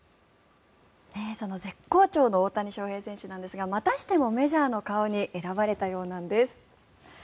絶好調の大谷翔平選手なんですがまたしてもメジャーの顔に選ばれたようなんです。